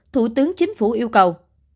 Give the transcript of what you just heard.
thủ tướng chính phủ yêu cầu